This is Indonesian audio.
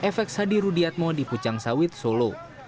fx hadi rudiatmo di pucang sawit solo